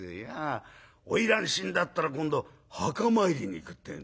花魁死んだったら今度墓参りに行くって」。